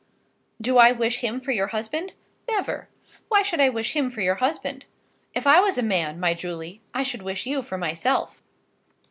Do I wish him for your husband? Never! Why should I wish him for your husband? If I was a man, my Julie, I should wish you for myself.